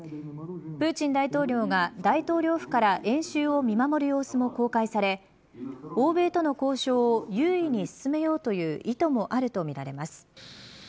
プーチン大統領が大統領府から演習を見守る様子も公開され欧米との交渉を優位に進めようという意図もあるとみられます。